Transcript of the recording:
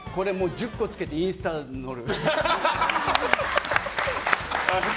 １０個つけてインスタ載る？